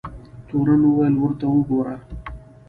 تورن وویل ورته وګوره.